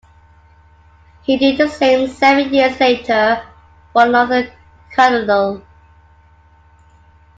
He did the same seven years later for another cardinal.